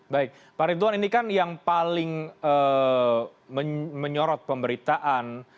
baik pak ridwan ini kan yang paling menyorot pemberitaan